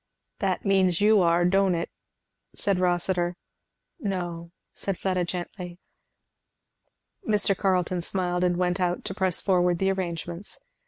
"That means that you are, don't it?" said Rossitur. "No," said Fleda gently. Mr. Carleton smiled and went out to press forward the arrangements.